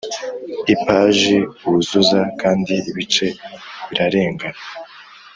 ipaji wuzuza, kandi ibice birarengana